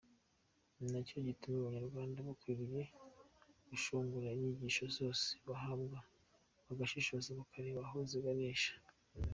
Ni na cyo gituma abanyarwanda bakwiriye gushungura inyigisho zose bahabwa, bagashishoza bakareba aho ziganisha.